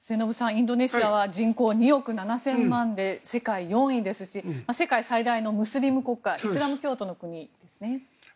インドネシアは人口は２億７０００万人で世界４位ですし世界最大のムスリム国家イスラム教徒の国ですね。